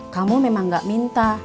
kamu memang gak minta